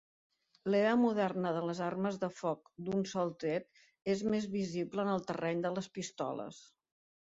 L'era moderna de les armes de foc d'un sol tret és més visible en el terreny de les pistoles.